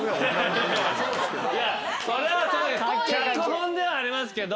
それは脚本ではありますけど。